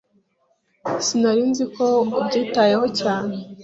Sinari nzi ko ubyitayeho cyane.